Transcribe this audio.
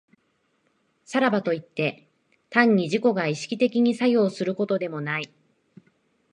さらばといって、単に自己が意識的に作用することでもない。